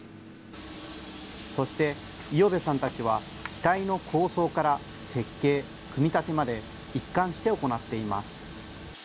そして五百部さんたちは、機体の構想から設計、組み立てまで一貫して行っています。